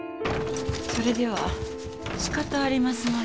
それではしかたありますまい。